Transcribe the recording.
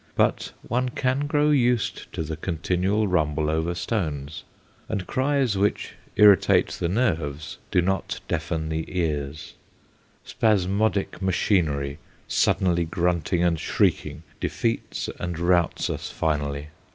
But one can grow used to the continual rumble over stones, and cries which irritate the nerves do not deafen the ears ; spasmodic machinery, suddenly grunt ing and shrieking, defeats and routs us finally.